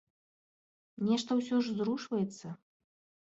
Нешта ўсё ж зрушваецца.